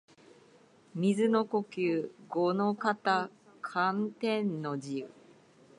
水の呼吸伍ノ型干天の慈雨（ごのかたかんてんのじう）